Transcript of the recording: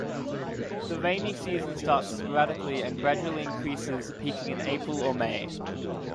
The rainy season starts sporadically and gradually increases, peaking in April or May.